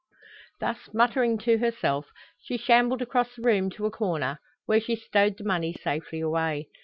Thus muttering to herself, she shambled across the room to a corner, where she stowed the money safely away.